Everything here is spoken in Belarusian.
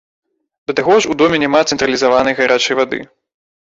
Да таго ж у доме няма цэнтралізаванай гарачай вады!